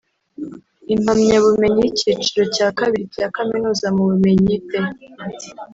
impamyabumenyi y’icyiciro cya kabiri cya Kaminuza mu bumenyi (B